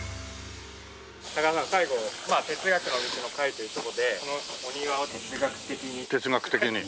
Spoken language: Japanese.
高田さん最後哲学の道の回という事でこのお庭を哲学的に。